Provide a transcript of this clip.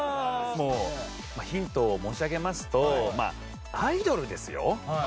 ヒントを申し上げますとまあアイドルですよ？